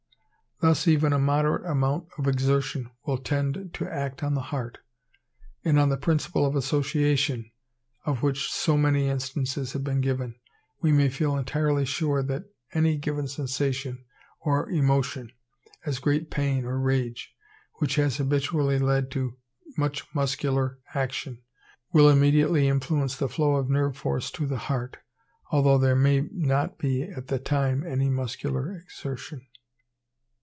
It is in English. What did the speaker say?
Thus even a moderate amount of exertion will tend to act on the heart; and on the principle of association, of which so many instances have been given, we may feel nearly sure that any sensation or emotion, as great pain or rage, which has habitually led to much muscular action, will immediately influence the flow of nerve force to the heart, although there may not be at the time any muscular exertion.